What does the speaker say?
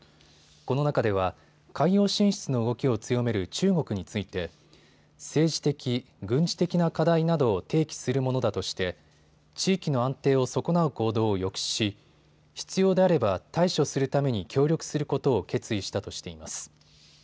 この中では、海洋進出の動きを強める中国について政治的、軍事的な課題などを提起するものだとして地域の安定を損なう行動を抑止し必要であれば対処するために協力することを決意したとしています。